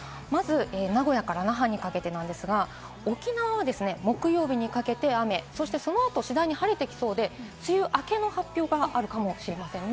名古屋から那覇にかけてなんですが、沖縄は木曜日にかけて雨、そしてその後、次第に晴れてきそうで、梅雨明けの発表があるかもしれません。